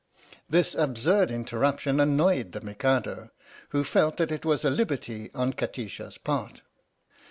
This absurd interruption annoyed the Mikado, who felt that it was a liberty on Kati sha's part.